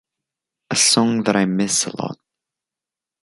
a song that I miss a lot.